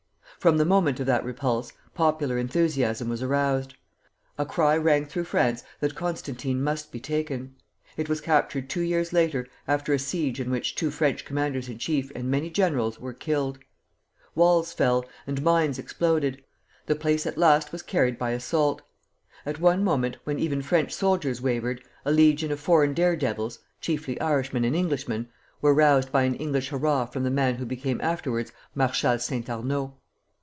From the moment of that repulse, popular enthusiasm was aroused. A cry rang through France that Constantine must be taken. It was captured two years later, after a siege in which two French commanders in chief and many generals were killed. Walls fell, and mines exploded; the place at last was carried by assault. At one moment, when even French soldiers wavered, a legion of foreign dare devils (chiefly Irishmen and Englishmen) were roused by an English hurrah from the man who became afterwards Marshal Saint Arnaud.